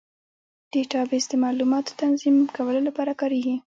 ډیټابیس د معلوماتو تنظیم کولو لپاره کارېږي.